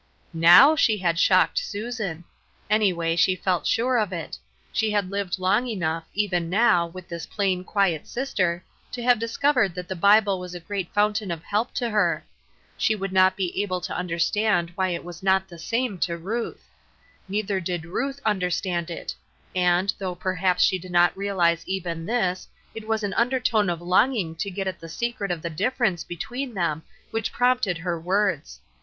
Now she had shocked Susan ; anyway, she felt sure of it. She had lived long enough,, even now, with this plain, quiet sister, to have dis covered that the Bible was a great fountain of help to her. She would not be able to under stand why it was not the same to Ruth. Neither did Ruth understand it ; and, though perhaps she did not realize even this, it was an under tone of longing to get at the secret of the dif ference between them which prompted her jTords.